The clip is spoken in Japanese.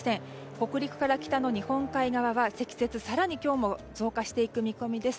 北陸から北の日本海側は積雪、更に今日も増加していく見込みです。